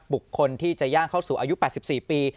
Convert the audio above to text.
บุคคลที่จะย่างเข้าสู่อายุ๘๔ปี